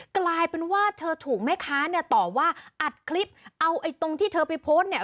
กลายเป็นว่าเธอถูกแม่ค้าเนี่ยตอบว่าอัดคลิปเอาไอ้ตรงที่เธอไปโพสต์เนี่ย